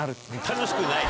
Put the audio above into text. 楽しくない。